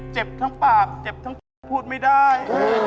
เจ็บทั้งปากเจ็บทั้งปากพูดไม่ได้